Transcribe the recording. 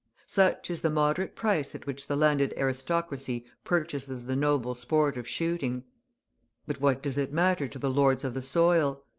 Such is the moderate price at which the landed aristocracy purchases the noble sport of shooting; but what does it matter to the lords of the soil?